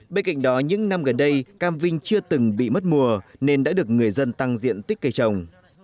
bên cạnh đó những năm gần đây cam vinh chưa từng bị mất mùa nên đã được người dân tăng diện tích cây trồng